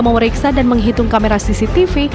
memeriksa dan menghitung kamera cctv